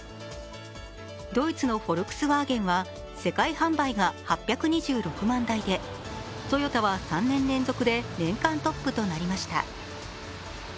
ドイツのフォルクスワーゲンは世界販売が８２６万台でトヨタは３年連続で年間トップとなりました。